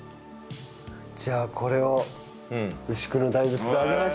じゃあこれを牛久の大仏であげましょうか。